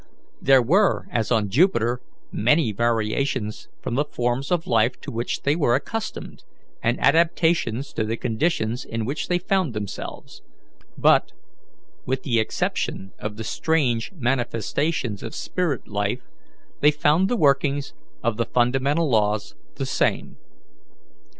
There were, as on Jupiter, many variations from the forms of life to which they were accustomed, and adaptations to the conditions in which they found themselves; but, with the exception of the strange manifestations of spirit life, they found the workings of the fundamental laws the same.